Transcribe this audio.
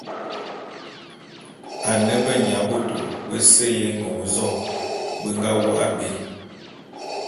Ane benyabôtô bese y'Engôn-zok be nga wôk abé.